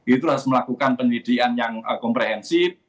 itu harus melakukan penyelidikan yang komprehensif